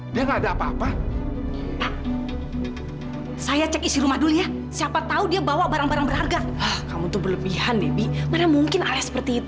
sampai jumpa di video selanjutnya